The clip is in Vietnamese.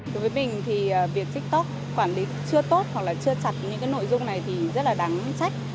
đối với mình thì việc tiktok quản lý chưa tốt hoặc là chưa chặt những nội dung này thì rất là đáng trách